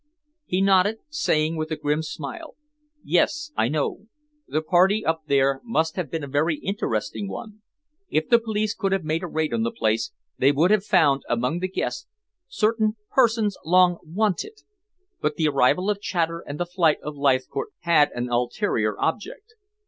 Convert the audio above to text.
He nodded, saying with a grim smile, "Yes; I know. The party up there must have been a very interesting one. If the police could have made a raid on the place they would have found among the guests certain persons long 'wanted.' But the arrival of Chater and the flight of Leithcourt had an ulterior object.